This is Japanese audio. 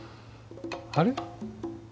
あれ？